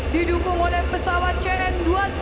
didukung oleh pesawat cn dua ratus sembilan puluh lima